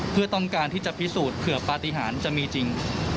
เพื่อต้องการที่จะพิสูจน์เผื่อปฏิหารจะมีจริง